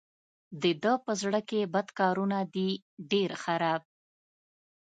د ده په زړه کې بد کارونه دي ډېر خراب.